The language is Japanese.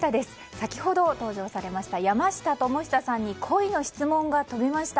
先ほど登場されました山下智久さんに恋の質問が飛びました。